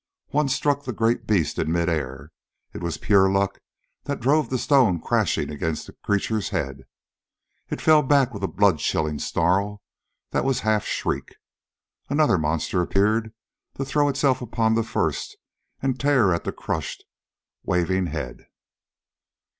One struck the great beast in mid air; it was pure luck that drove the stone crashing against the creature's head. It fell back with a blood chilling snarl that was half shriek. Another monster appeared, to throw itself upon the first and tear at the crushed, waving head.